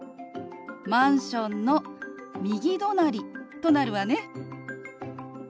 「マンションの右隣」となるわね。